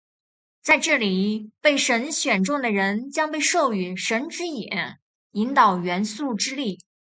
在这里，被神选中的人将被授予「神之眼」，引导元素之力。